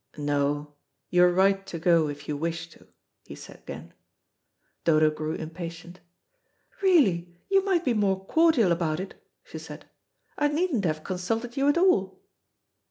"No, you are right to go, if you wish to," he said again. Dodo grew impatient. "Really, you might be more cordial about it," she said. "I needn't have consulted you at all."